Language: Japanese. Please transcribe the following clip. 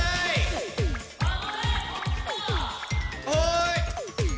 はい。